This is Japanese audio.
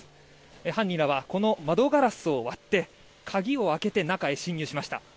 犯人らはこの窓ガラスを割って鍵を開けて中へ侵入しました。